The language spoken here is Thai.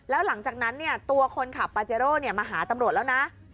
แล้วหลังจากนั้นตัวคนขับปาเจโร่มาหาตำรวจแล้วนะ